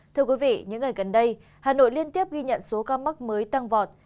thưa quý vị những ngày gần đây hà nội liên tiếp ghi nhận số ca mắc mới tăng vọt